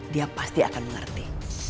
dia pasti akan mengerti